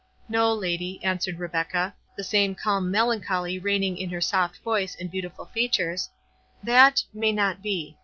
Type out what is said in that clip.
"No, lady," answered Rebecca, the same calm melancholy reigning in her soft voice and beautiful features—"that—may not be.